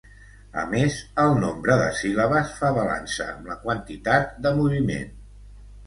A més, el nombre de síl·labes fa balança amb la quantitat de moviment.